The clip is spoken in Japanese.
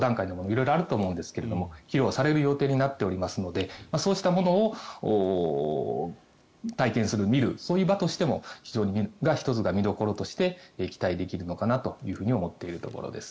色々あると思うんですが披露される予定になっておりますのでそうしたものを体験する、見るそういう場としても非常に１つの見どころとして期待できるのかなと思っているところです。